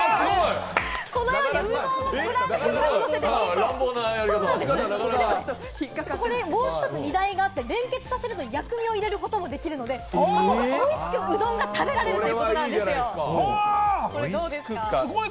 このように、うどんをプラレールに乗せて、もう１つ荷台があって、連結させると薬味を入れることもできるので、実際にうどんを食べることもできちゃうんです。